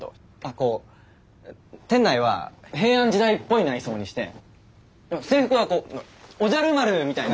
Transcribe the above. こう店内は平安時代っぽい内装にして制服はこうおじゃる丸みたいな。